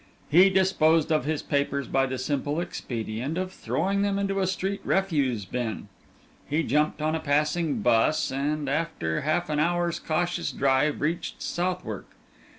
He disposed of his papers by the simple expedient of throwing them into a street refuse bin. He jumped on a passing 'bus, and after half an hour's cautious drive reached Southwark.